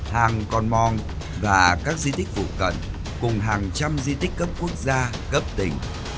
hàng con mong và các di tích phụ cận cùng hàng trăm di tích cấp quốc gia cấp tỉnh